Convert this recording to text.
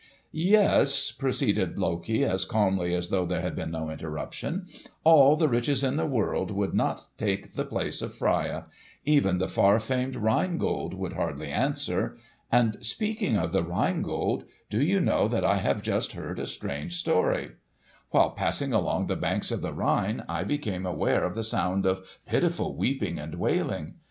"Yes," proceeded Loki as calmly as though there had been no interruption, "all the riches in the world would not take the place of Freia. Even the far famed Rhine Gold would hardly answer. And, speaking of the Rhine Gold, do you know that I have just heard a strange story. "While passing along the banks of the Rhine, I became aware of the sound of pitiful weeping and wailing.